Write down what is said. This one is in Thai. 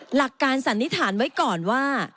หลักการสันนิษฐานไว้ก่อนว่า